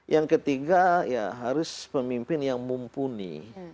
yang ketiga ya harus pemimpin yang mumpuni